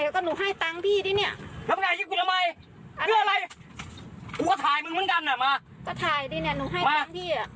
ก็ถ่ายดิเนี่ยหนูให้ตั้งพี่อะ